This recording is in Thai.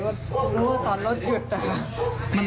ไม่รู้ว่าตอนรถหยุดนะคะ